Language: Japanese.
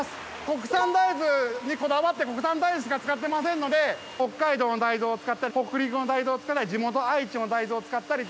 国産大豆にこだわって国産大豆しか使ってませんので北海道の大豆を使ったり北陸の大豆を使ったり地元愛知の大豆を使ったり。